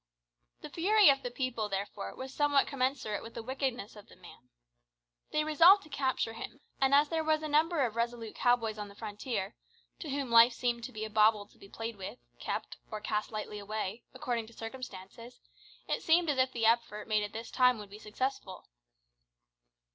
The fury of the people, therefore, was somewhat commensurate with the wickedness of the man. They resolved to capture him, and, as there was a number of resolute cow boys on the frontier, to whom life seemed to be a bauble to be played with, kept, or cast lightly away, according to circumstances, it seemed as if the effort made at this time would be successful.